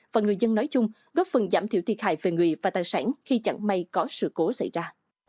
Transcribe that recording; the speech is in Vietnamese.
và người dân nói chung góp phần giảm thiểu thiệt hại về người và tài sản khi chẳng may có sự cố xảy ra